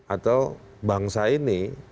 atau bangsa ini